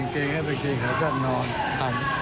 ต้องบอกว่ามหาข้าว่าจะว่ายังไง